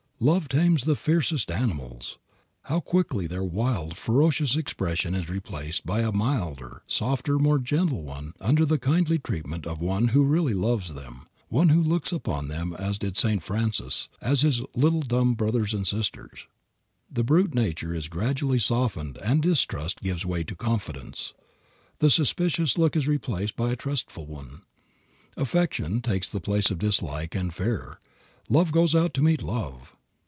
Love tames the fiercest animals. How quickly their wild, ferocious expression is replaced by a milder, softer, more gentle one under the kindly treatment of one who really loves them, one who looks upon them as did St. Francis, as his "little dumb brothers and sisters." The brute nature is gradually softened and distrust gives way to confidence. The suspicious look is replaced by a trustful one. Affection takes the place of dislike and fear; love goes out to meet love.